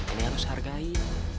ini harus dihargai